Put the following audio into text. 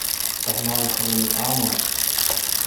Davon habe ich zu wenig Ahnung.